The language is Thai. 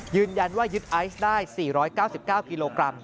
ยืนยันว่ายึดไอซ์ได้๔๙๙กิโลกรัม